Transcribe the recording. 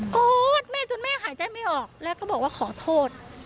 อดแม่จนแม่หายใจไม่ออกแล้วก็บอกว่าขอโทษ